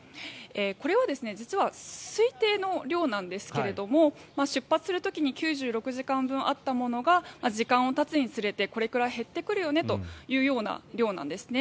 これは実は推定の量なんですけれども出発する時に９６時間分あったものが時間がたつにつれてこれくらい減ってくるよねというような量なんですね。